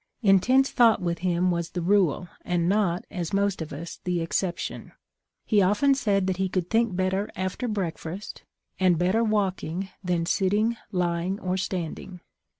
Intense thought with him was the rule and not, as with most of us, the exception. He often said that he could think better after breakfast, and better walk ing than sitting, lying, or standing.